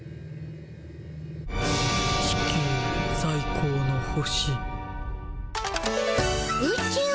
地球さい高の星。